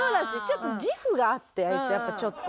ちょっと自負があってあいつやっぱちょっと。